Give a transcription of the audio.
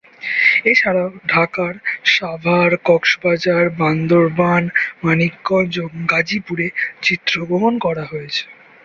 এছাড়াও ঢাকার সাভার, কক্সবাজার, বান্দরবান, মানিকগঞ্জ ও গাজীপুরে চিত্রগ্রহণ করা হয়েছে।